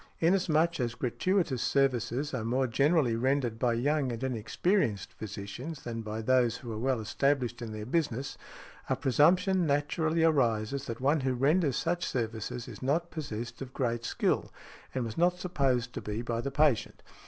Inasmuch as gratuitous services are more generally rendered by young and inexperienced physicians than by those who are well established in their business, a presumption naturally arises that one who renders such services is not possessed of great skill, and was not supposed to be by the patient.